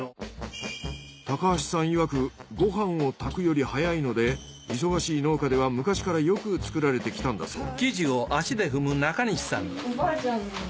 橋さんいわくご飯を炊くより早いので忙しい農家では昔からよく作られてきたんだそう。